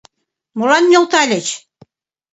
Молан нӧлтальыч?